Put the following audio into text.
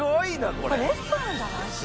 これレストランじゃない？